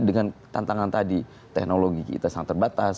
dengan tantangan tadi teknologi kita sangat terbatas